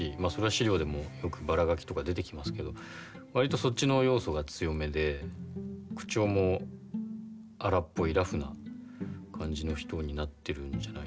あそれは史料でもよくバラガキとか出てきますけど割とそっちの要素が強めで口調も荒っぽいラフな感じの人になってるんじゃないですかね。